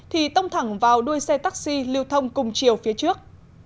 thì tông thẳng vào đuôi xe taxi lưu thông cùng chiều phía trước